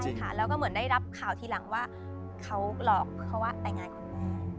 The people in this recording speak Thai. ใช่ค่ะแล้วก็เหมือนได้รับข่าวทีหลังว่าเขาหลอกเขาว่าแต่งงานคุณแม่